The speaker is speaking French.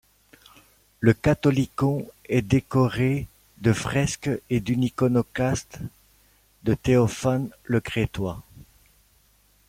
Le catholicon est décoré de fresques et d'une iconostase de Théophane le Crétois.